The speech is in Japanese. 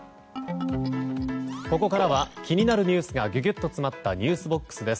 ここからは気になるニュースがギュッと詰まったｎｅｗｓＢＯＸです。